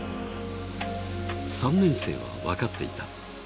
３年生は分かっていた。